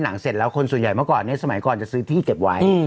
เสร็จแล้วคนส่วนใหญ่เมื่อก่อนเนี่ยสมัยก่อนจะซื้อที่เก็บไว้